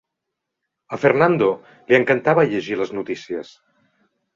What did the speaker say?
A Fernando li encantava llegir les notícies.